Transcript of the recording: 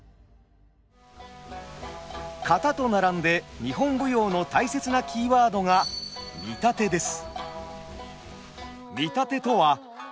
「型」と並んで日本舞踊の大切なキーワードが「見立て」です。